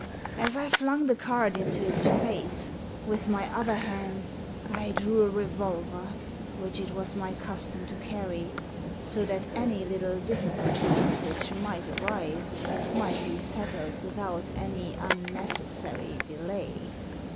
As I flung the card into his face, with my other hand I drew a revolver, which it was my custom to carry, so that any little difficulties which might arise might be settled without any unnecessary delay.